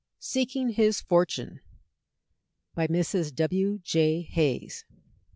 SEEKING HIS FORTUNE. BY MRS. W. J. HAYS.